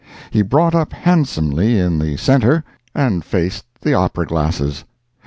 He brought up handsomely in the centre and faced the opera glasses.